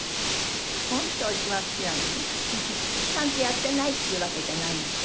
ちゃんとやってないっていうわけじゃないんでしょ？